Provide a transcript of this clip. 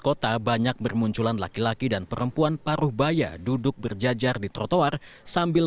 kota banyak bermunculan laki laki dan perempuan paruh baya duduk berjajar di trotoar sambil